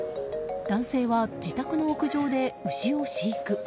男性は自宅の屋上で牛を飼育。